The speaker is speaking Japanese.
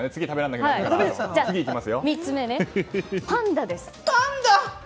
次、３つ目はパンダです。